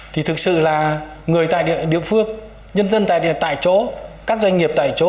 thì thực sự là người tại địa phương nhân dân tại chỗ các doanh nghiệp tại chỗ